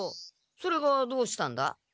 それがどうしたんだ？